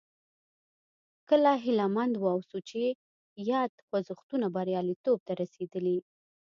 کله هیله مند واوسو چې یاد خوځښتونه بریالیتوب ته رسېدلي.